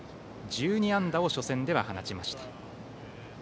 １２安打を初戦では放ちました。